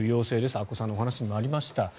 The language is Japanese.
阿古さんのお話にもありました。